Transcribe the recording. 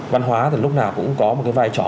văn hóa thì lúc nào cũng có một cái vai trò